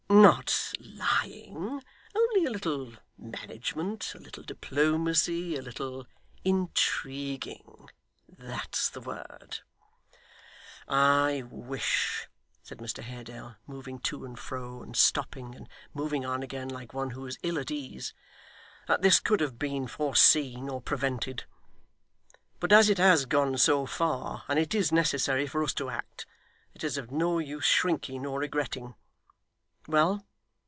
'Not lying. Only a little management, a little diplomacy, a little intriguing, that's the word.' 'I wish,' said Mr Haredale, moving to and fro, and stopping, and moving on again, like one who was ill at ease, 'that this could have been foreseen or prevented. But as it has gone so far, and it is necessary for us to act, it is of no use shrinking or regretting. Well!